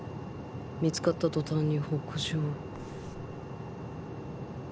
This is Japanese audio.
見つかった途端に北上。